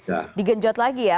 harus digenjot lagi ya